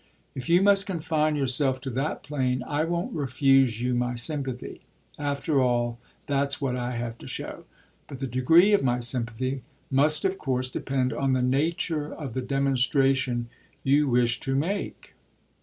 If you must confine yourself to that plane I won't refuse you my sympathy. After all that's what I have to show! But the degree of my sympathy must of course depend on the nature of the demonstration you wish to make."